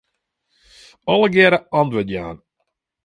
Allegearre antwurd jaan.